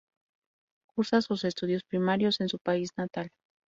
Cursa sus estudios primarios en su país natal.